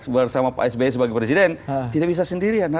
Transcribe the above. bersama pak sby sebagai presiden